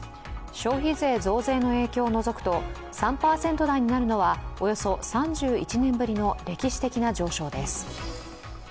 消費税増税の影響を除くと３％台になるのはおよそ３１年ぶりの歴史的な上昇です。